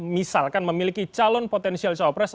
misalkan memiliki calon potensial cawapres